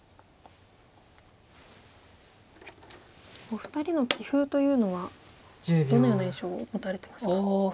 お二人の棋風というのはどのような印象を持たれてますか？